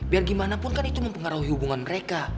biar gimana pun kan itu mempengaruhi hubungan mereka